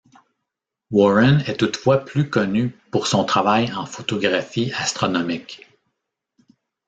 Warren est toutefois plus connu pour son travail en photographie astronomique.